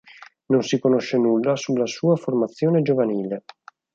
Non si conosce nulla sulla sua formazione giovanile.